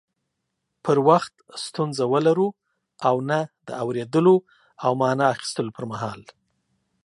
پر وخت ستونزه ولرو او نه د اوريدلو او معنی اخستلو پر مهال